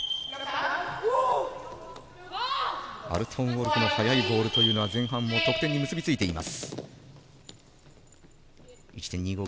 アルトゥンオルクの速いボールが前半も得点に結びついています。